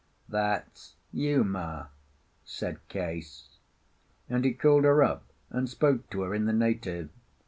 "That's Uma," said Case, and he called her up and spoke to her in the native.